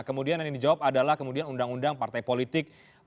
kemudian yang dijawab adalah kemudian undang undang partai politik